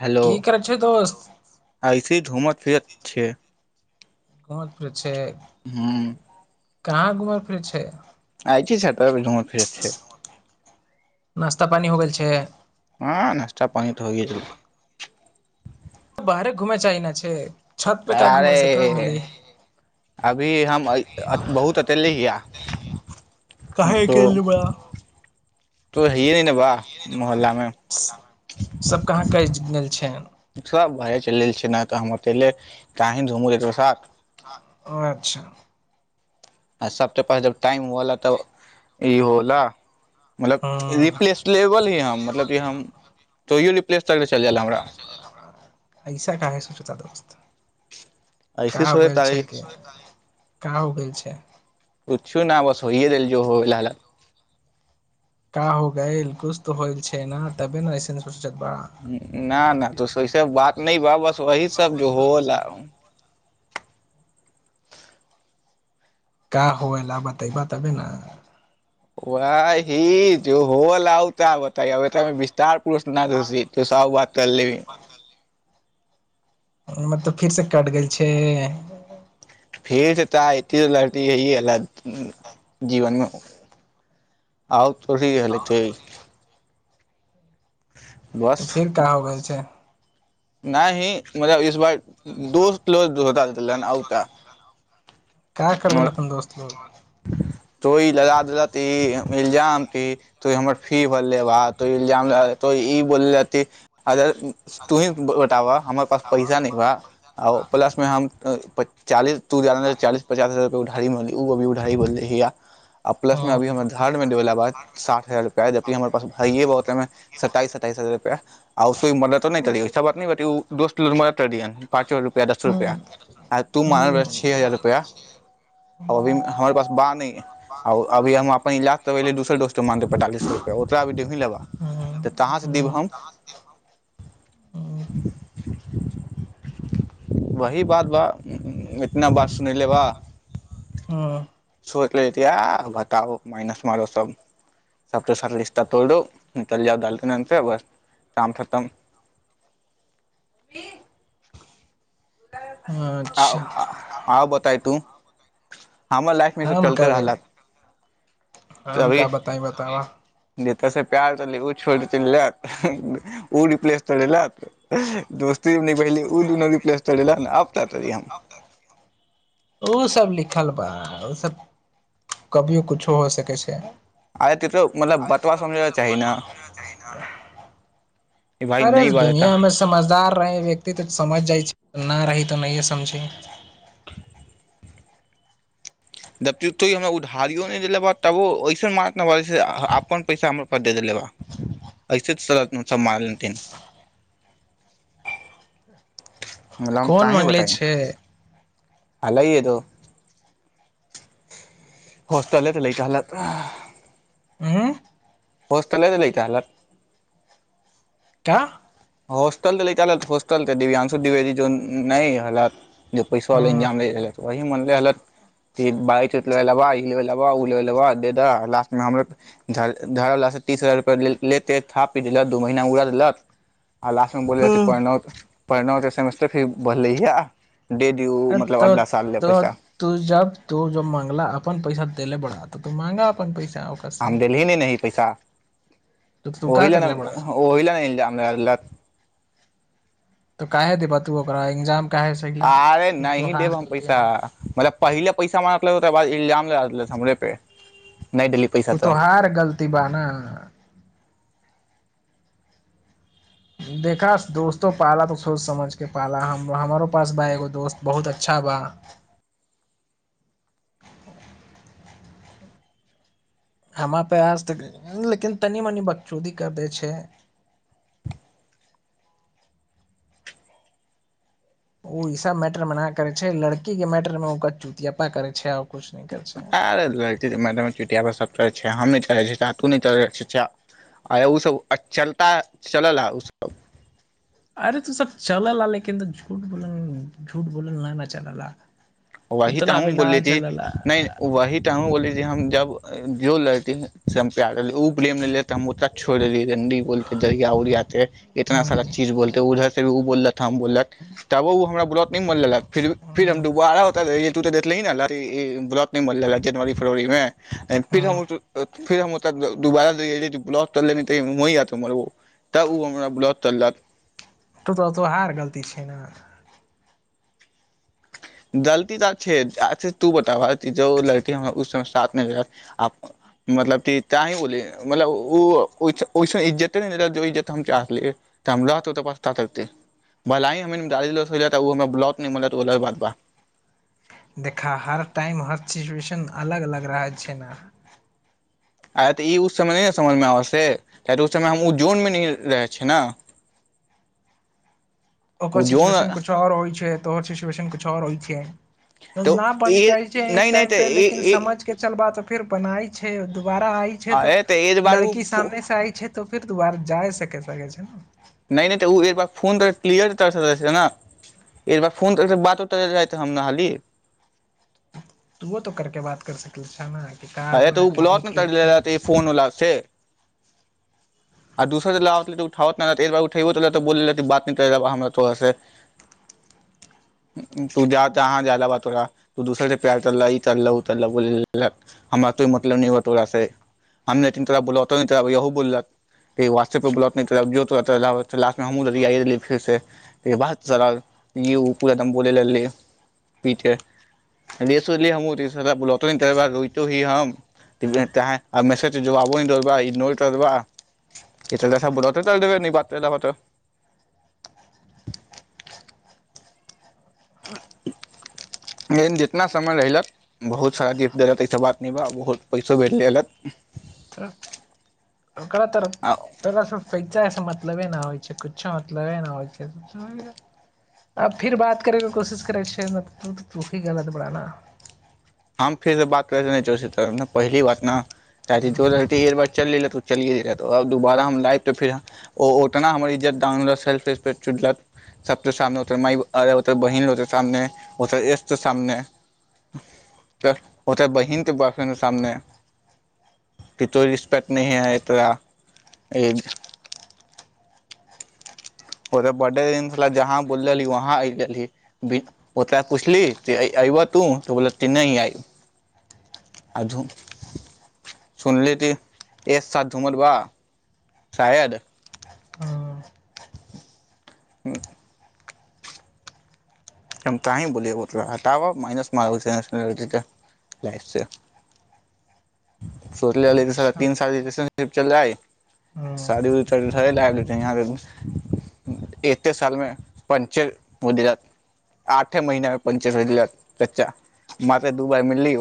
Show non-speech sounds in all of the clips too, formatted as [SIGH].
Hello की करै छै दोस्त अइसे घूमत फिरैत छीयै बहुत कुछ छय हूं कहाँ घूमै फिरै छै आइ छी तब भी घुमैत फिरैत छै। नाश्ता पानि हो गेल छै हँ नस्ता पानी तऽ होइ गेल छै। बाहरे घुमय चाहीना छै छत पे का घूमे से कहाँ अरे मिले अभी हम बहुत अतेलले हिया काहे तो केलू बा तो हैये नहि ने बा मोहल्ला मे सब कहाँ क छै सब भरे चलि छै ने तऽ हम अतेले ती काहे धूमू ऐकरा साथ ओ अच्छा आ सब ते पहिले जब टाइम ह ला तऽ ई होल मतलब हँ रिप्लेस लेबल ही हम मतलब हम तोयो ऐसा क सुचता दोस्त क ऐसे हो सोचैत गेल छै रही की क हो गेल छै पछु न ब स होहिए देल ज हो लाल का हो गा किुश तऽ होइल छै ने तबे नेइसेन्स न नहि तो सह सब बात न बा बस वही सब जो होला क हो ल बतै ब तबे ने व ही ज होल त बत त विस्तार पुर न जस त साव बात कर लेब मत तब फेरसँ कटि गेल छै फेर ए तऽ ए यह अ् एलिथ जीवनमे आउ हे हलते ह तऽ फेर का होगा इे नहि ही मतब इस बार दोस्तलोता रो द क्य कर देल अपनन दोस्त ल तोंइ लगा द त मिल जााम त तऽ हमर फी भेललै बात तो ई जाम लगा तो ई बोललक त अगर तूही बताबह हमरा पास पैसा न बा आ प्लस मे हम पच्चालीस चालीस पचास हजार कोढ़ा घड़ी ब हिया आ प्लसमे अभी अच्छा हमर घरमे देबैला बात साठ हजार रुपआ जबकि हमर पास भइए बतहिमे सताइस सताइस हजारआ आ ओ तो मददो नहि करहैस बात दोस्त मदद कर दियह पाँचो रुपैआ दसो रुपैआ आ तू मान रह छओ हजार रुपैआ ओभी न हमर पास बाँह नहिं आ अभी हम अपन इलाज त एल दोसर दोस्त माने पैतालीस रुपैआ त टिफिन लाब त कहां स दिअ हम वही बातबा एतना वास सुन लेबा चो बताउ मायनस आरो सब सबच स त तोरो निकल जाऊदाल तनतर बस काम खतम आ आउ बताय तू हमर लाइफ मे ई सब हम चलते कहबै रहल त हम अभी का बताई बतावा कैसे प्याज उऊ छो तन लै ओ र प्लस त दोस्त पहिल ओ दू नी प्ले आ का करि हम ओसभ लिखल बा ओसभ कभियो किछो हो सकै छै आरे त तो मतलब बतबा समझैके चाही ने अरे दुनियामें समझदार रहै व्यक्ति तऽ समझ जाइ छै न रही तऽ नहिए समझी दबो हमरा उधारियो नहि देले ब तबो ओऐसन मार अपन पैसा हमर पटेद ले बा ऐसे त सत सब मान लतन [INAUDIBLE] कोन मङ्गलै छै हल हए तो हॉस्टल तऽ लै कहल आँ होसटले के नहि त नहि तल त हॉस्टल तऽ ल चलत हॉस्टल तऽ दिव्यांशु द्विवेदी जो नहि हालत जे हँ पैसावलाेम लै रहै वही मानले हलत कि बाइ लेय लेाबा ई लेबै लेवा ओ लेय लेा दे दह लासटमे हमरो झाड़यवलाासँ तीस हजार रुपैआ लेते थाप पी देलत दू महीना उड़ा देलत आओ लास्टमे बोल जाइ छै हँ पनो त पढ़लहुँ तऽ सेमेस्टर फी बढ़लै हे अ तऽ तऽ तू जब तू जब मंगला अपनन पैसा दे ले बड़ा आ तऽ माँंगा अपन पैसा चक छै हम देलही नै नहि ने पैसा ओहि लए करले बड़ा नहि ओहि लए नहिरा तऽ काह हे दे ब तू कर एग्जाम काहे सहिला आरे तू नहि देब तोहार हम गलती पैसा ना मतलब पहिले पैसा हमरा तै बाद इलजाम लगाै हमरे पे नहि देली पैसा तू तो तऽ हार गलती ब ना देखा दोस्तो पाला तो सोच समझ के पाला हम हमारो पास बा एगो दोस्त बहुत अच्छा बा ह हमरा पे आज तऽ लेकिन तनी मनि बकचूदी कर दै छै ओ ई सब मैटर मे न करे छै लड़की के मैटर मे ओ कचुतियापा करे छै आ किछु और नहीं करे छै आरे लड़की के मेटर मे चिटियााप सभ चरै छै हम नहि चढ़ै छिय चाहा तू नहि चढ़ छाह आ ओसभ चलता चलल ह ओसभ अरे तू सब चलल लेकिन तऽ झूठ बोल झूठ बोलल नहि न चलल वही त हू बोलिए नहि वह तऽ हू बोली हम जे हम जब जो लड़ती ह प्यार करे उ ब्लेम ल ले त हम ओता छोड़ देलिय रनडी बोलते दरिया उऊरियाते इतना हूं सारा चीज बोलते उधर भी ओ बोल ाम बोललक तबो ओ हमरा बोलत नि मोल ल फिर फिर हम दुबारा तब तू तऽ देखलही ने ई ब्लॉत नहि मे जनवरी फरवरी मे फिर हूं हम फिर हम दुबारा ब्लॉक चल त म आ तर ओ तब ओ हमरा ब्लॉक तललक ए त तऽ हार गलती छै ने गलती तऽ छै अच्छा तू बताबह जो लड़की साथ रहत मतलब मतलब इज्जते इ्े त हम रहतत भला ही ब्ल मा देखा हर टाइम हर सिचुएशन अलग अलग रहै छै ने आ तऽ ई ओ समय नहि ने समझमे आबै छै किया कि ओहि समय हम ओ जोनमे नहि रहै छियै ने ओकर ओ जोन सिचुएशन कुछो और होइ छै तऽओर सिचुएशन कछु आओर होइ छैै न तऽ बन ई जा छै एक नहि नहि टाइम पे तऽ लेकिन ई समझ के चल बात फिर बनाय छै दुबारा आइ छै तो अरे तऽ एक बार ओ लड़की सामने से आइ छै तो फेर द दुबार जाइ सके सै छै ने नहि नहि तऽ ओ एक बार फोन त क्लियरर स छै ने एक बार फोन त बातो तरल जाै त हम नही त वो तो करके बात कर सकई छाई अरे तो ब्लॉक मे तल रह फोन उला आ दोसर ल उठारठेो ब तोरँ तू जा तऽहाँ जा ले तोरा त दोसर प्यार चल ईल तोऽ हमारा कोई मतलब नए तोरा से हम तोरा व्हाटसअप पर ब्लॉकों नय करवा फेर साला पी के गरियायो हमाह मैसेज जबाबो देब इगनोर करब लेकिन जितना समय रहलत बहुत सारा गिफ्ट देलत एहिसँ बात नहि बा बहुत पैसो भेट लेलत ओकरात तरफ मतलबे नहि होइ छै कुछो मतलबे नहि होइ छै आब फिर बात करेके कोशिश करै छ तू गलत बड़ाना हम फेर बात नई करय चाहे छ ओकरा से पहली बात न काहे की जो लड़की एक बेर चल गेलय चलिये गेलय दुबारा हम लाइफ़ मे फेर ओतना हमर इज्जत डाउन होला सेल्फरेस्पेक्ट ओकरा बहिनो के सामने गेस्ट के सामने त ओतऽ बहिन त बॉयफ्रैंड के सामने कि तोरा रिस्पेक्ट न है तोरा ओ बर्थडे दिन जहाँ बोलली वहाँ गेली ओरा पुछली अऐबह तू तोली नहि आइ आू सुनली ती एक साथ झूमल बा शायद ह कह बोलिय हो अच्छा तील हँ चली एते साल मे आठे महीना मे पच्चा म ते दू बार मिलली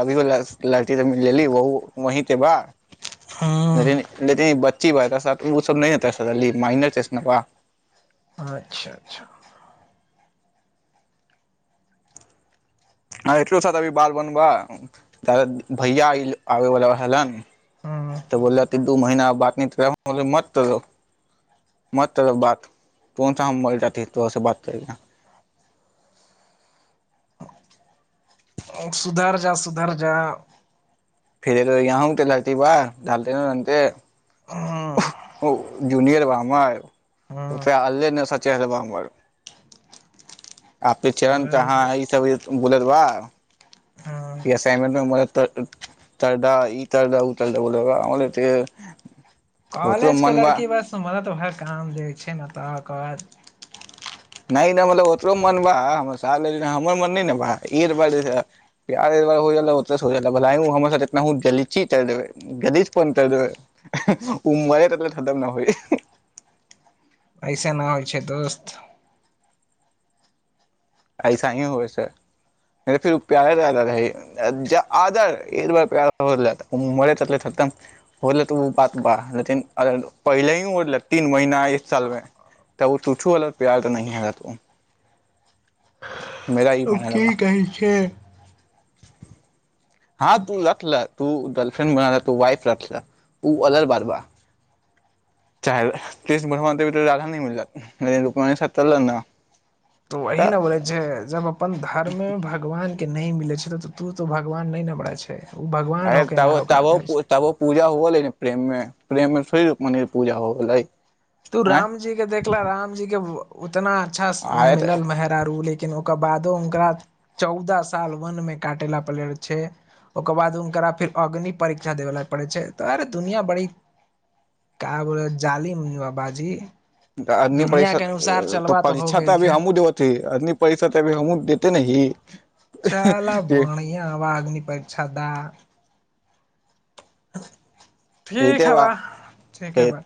अभी लड़की त म लेली वे बा हँ बची ओ सब ब अच्छा अच्छा ह एलो सा अभी बाल बनबा द भैया आबै वालला हलन हँ तऽ बोल दू महीना बात नहि त म म बात कोन सा हम मर तो बात करई बिना सुधर जा सुधर जा फिरल यहाँ हम त धरती बाह ढालते रे हँ ओ जूनियर बा हमर ओ हँ अललेचा हमर आपके चरण त सुधर जा ई सब बोलल बा हँ ईसइमे म त तडा ई तडा उ तरडा बोल कॉलेज के लड़की बस मदद भर काम देय छै ने तकर नहि नहि मतलब ओतो मन बार मन ने बा होनाची देचप देब मर खतम न हो [INAUDIBLE] अइसे नहि होइ छै दोस्त ऐसा ही होऐस फिर प्यारे रहै एकार प्याराम त बात लिन पहिले ही तीन महीना एक साल मे तबूछ प्यार तऽ [INAUDIBLE] मेरा ई मानेला की बा कहै छै हँ तू रखले तू गर्लफ्रेंड त वाइफ रख अल बार बार चाहे कृष्ण भगवान राधा नें मिलत [INAUDIBLE] तो वही तऽ ने बोलै छै जब अपन धर्म भगवान के नहि मिलै छलै तऽ तू तो भगवान नहि नबरा छ अरे त तबो तबो पूजा होव लै प्रेम मे प्रेम मे स रू म पूजा हो गेलै तू आँय रामजी के देखला रामजी के इतना अच्छा आय तऽ मिलल मेहरारू लेक ओकर बादो हुनकरा चौदह साल वन में काटे ला पड़े छै ओकर बाद उनकरा फिर अग्नि परीक्षा देव ला पड़े छै तरे दुनिया बड़ी का बोलेम जालिम बाजी त अग्नि परिषद तऽ हो परीक्षा तऽ गेल अभी छै हमूँ देबती अग्नि पर्षा तऽ अभी हम देते न [UNINTELLIGIBLE] [INAUDIBLE] चलअ बन्हिआ आग्नि परिक्षा द ह [INAUDIBLE] ठीक देते ह वा बा ठीके फेर बा